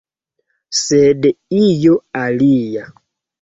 Sed io alia.